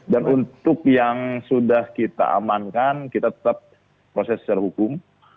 dan untuk yang sudah kita amankan kita tetap proses secara hukum